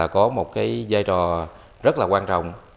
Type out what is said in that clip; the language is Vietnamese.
có một giai trò rất quan trọng